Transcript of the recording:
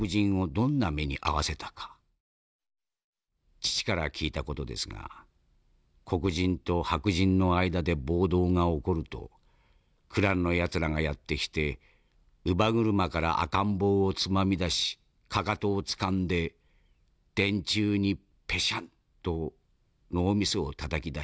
父から聞いた事ですが黒人と白人の間で暴動が起こるとクランのやつらがやって来て乳母車から赤ん坊をつまみ出しかかとをつかんで電柱にペシャンと脳みそをたたき出した。